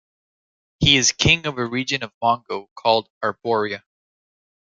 He is king of a region of Mongo called Arboria.